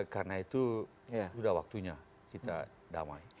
karena itu sudah waktunya kita damai